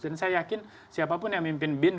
dan saya yakin siapapun yang memimpin bin